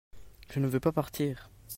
je ne veux pas partir.